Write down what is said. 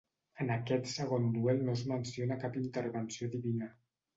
En aquest segon duel no es menciona cap intervenció divina.